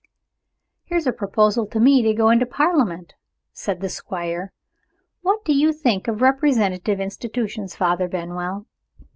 "Here's a proposal to me to go into Parliament," said the Squire. "What do you think of representative institutions, Father Benwell?